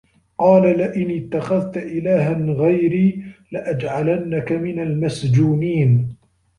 قالَ لَئِنِ اتَّخَذتَ إِلهًا غَيري لَأَجعَلَنَّكَ مِنَ المَسجونينَ